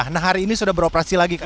nah hari ini sudah beroperasi lagi kak